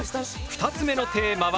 ２つ目のテーマは？